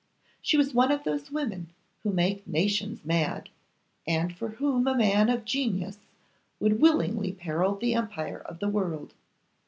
She was one of those women who make nations mad, and for whom a man of genius would willingly peril the empire of the world.